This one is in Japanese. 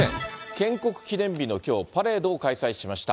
建国記念日のきょう、パレードを開催しました。